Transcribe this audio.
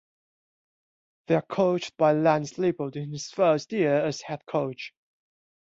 They are coached by Lance Leipold in his first year as head coach.